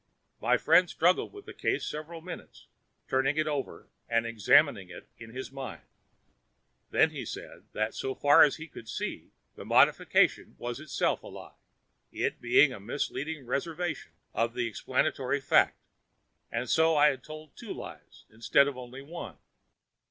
My friend struggled with the case several minutes, turning it over and examining it in his mind, then he said that so far as he could see the modification was itself a lie, it being a misleading reservation of an explanatory fact, and so I had told two lies instead of only one.